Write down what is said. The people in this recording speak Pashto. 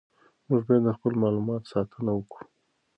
موږ باید د خپلو معلوماتو ساتنه وکړو.